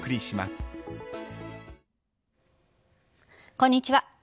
こんにちは。